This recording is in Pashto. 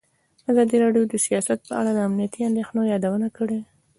ازادي راډیو د سیاست په اړه د امنیتي اندېښنو یادونه کړې.